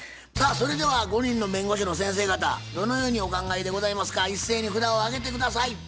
さあそれでは５人の弁護士の先生方どのようにお考えでございますか一斉に札を上げて下さい。